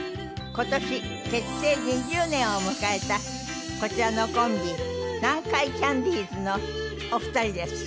今年結成２０年を迎えたこちらのコンビ南海キャンディーズのお二人です。